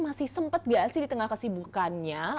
masih sempat gak sih di tengah kesibukannya